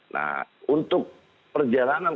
nah untuk perjalanan